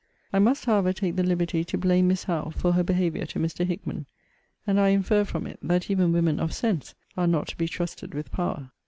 I must, however, take the liberty to blame Miss Howe for her behaviour to Mr. Hickman. And I infer from it, that even women of sense are not to be trusted with power.